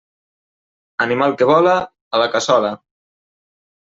Animal que vola, a la cassola.